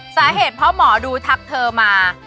สาเหตุเพราะหมอดูทักเธอมา